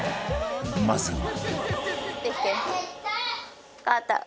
まずは